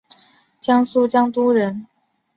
江苏江都人。